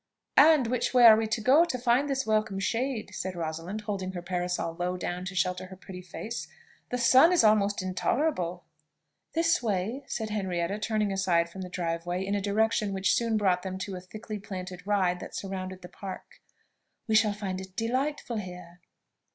"And which way are we to go to find this welcome shade?" said Rosalind, holding her parasol low down to shelter her pretty face. "The sun is almost intolerable." "This way," said Henrietta, turning aside from the drive in a direction which soon brought them to a thickly planted ride that surrounded the Park. "We shall find it delightful here."